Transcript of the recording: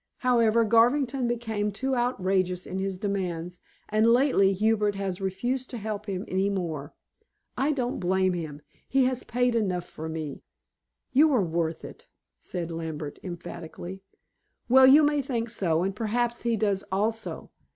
However, Garvington became too outrageous in his demands, and lately Hubert has refused to help him any more. I don't blame him; he has paid enough for me." "You are worth it," said Lambert emphatically. "Well, you may think so, and perhaps he does also.